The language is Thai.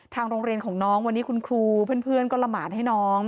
โรงเรียนของน้องวันนี้คุณครูเพื่อนก็ละหมานให้น้อง